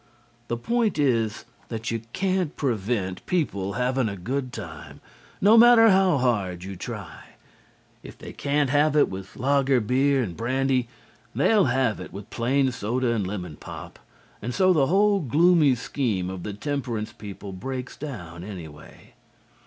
The point is that you can't prevent people having a good time, no matter how hard you try. If they can't have it with lager beer and brandy, they'll have it with plain soda and lemon pop, and so the whole gloomy scheme of the temperance people breaks down, anyway.